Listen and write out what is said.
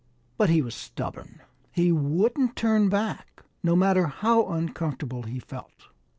But he was stubborn. He wouldn't turn back, no matter how uncomfortable he felt.